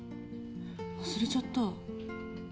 忘れちゃった。